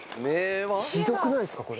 ひどくないですかこれ。